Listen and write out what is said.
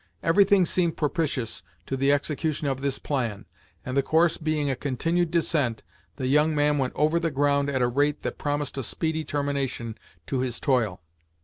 Everything seemed propitious to the execution of this plan, and the course being a continued descent, the young man went over the ground at a rate that promised a speedy termination to his toil.